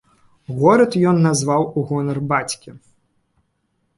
Горад ён назваў у гонар бацькі.